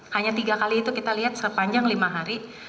hanya tiga kali itu kita lihat sepanjang lima hari